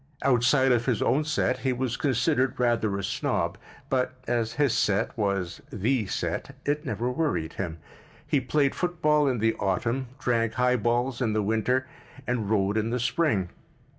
Outside of his own set he was considered rather a snob, but as his set was the set, it never worried him. He played football in the autumn, drank high balls in the winter, and rowed in the spring.